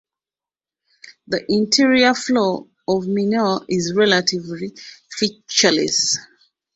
The interior floor of Mineur is relatively featureless.